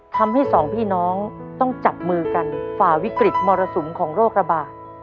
ทำให้สองพี่น้องต้องจับมือกันฝ่าวิกฤตมรสุมของโรคระบาด